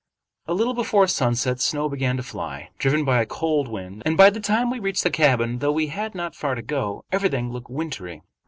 A little before sunset snow began to fly, driven by a cold wind, and by the time we reached the cabin, though we had not far to go, everything looked wintry.